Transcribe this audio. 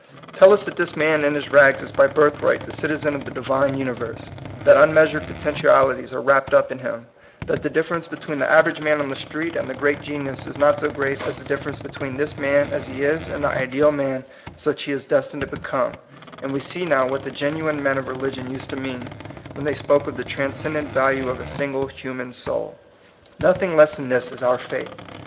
Tell us that this man in bis rags is by birth right the citizen of the Divine universe, that unmeasured potentialities are wrapped up in him, that the difference between the average man on the street and the great genius is not so great as the diffei'ence between this man as he is and the ideal man such as he is destined to become, and we see now what the genuine men of religion used to mean, when they spoke of '^the transcendent value of a single human soul." Nothing less than this is our faith.